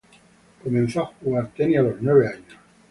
Comenzó a jugar tenis a los nueve años.